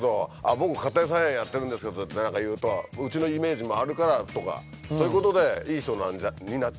僕家庭菜園やってるんですよとか何か言うとうちのイメージもあるからとかそういうことで「いい人なんじゃ」になっちゃうみたいな。